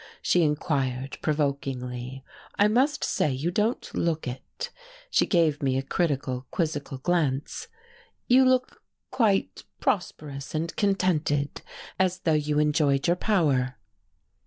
she inquired provokingly. "I must say you don't look it" she gave me a critical, quizzical glance "you look quite prosperous and contented, as though you enjoyed your power."